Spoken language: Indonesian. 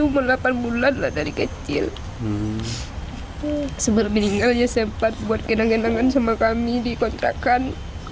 umur delapan bulan lah dari kecil sebelum meninggalnya sempat buat kenang genangan sama kami di kontrakan